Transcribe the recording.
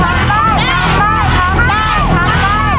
หัวหนึ่งหัวหนึ่ง